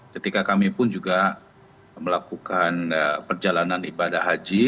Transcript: ketika kami pun juga melakukan perjalanan ibadah haji